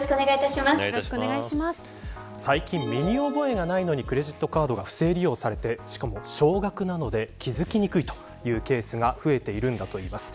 最近、身に覚えがないのにクレジットカードが不正利用されてしかも少額なので気付きにくいケースが増えています。